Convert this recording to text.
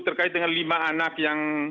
terkait dengan lima anak yang